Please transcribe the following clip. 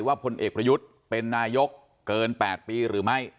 พลเอกประยุทธ์เป็นนายกเกิน๘ปีหรือไม่